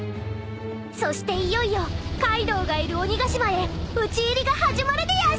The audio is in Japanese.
［そしていよいよカイドウがいる鬼ヶ島へ討ち入りが始まるでやんす］